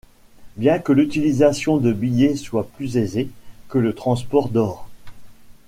Bien que l'utilisation de billets soit plus aisée que le transport d'or.